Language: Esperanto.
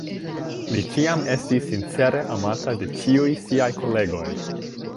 Li ĉiam estis sincere amata de ĉiuj siaj kolegoj.